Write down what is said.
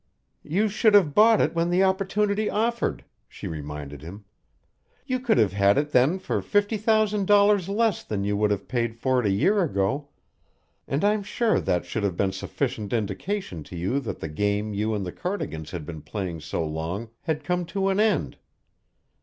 "You should have bought it when the opportunity offered," she reminded him. "You could have had it then for fifty thousand dollars less than you would have paid for it a year ago and I'm sure that should have been sufficient indication to you that the game you and the Cardigans had been playing so long had come to an end.